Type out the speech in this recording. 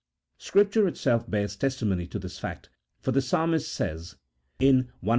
Scripture itself bears testimony to this fact, for the Psalmist says (cxlv.